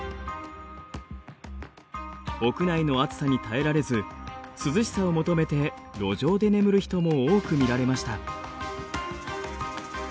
屋内の暑さに耐えられず涼しさを求めて路上で眠る人も多く見られました。